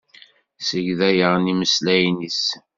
Segḍayen imeslayen-is.